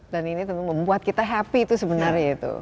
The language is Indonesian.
dan ini membuat kita happy itu sebenarnya itu